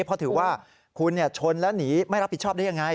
เพราะถือว่าคุณชนแล้วหนีไม่รับผิดชอบได้ยังไง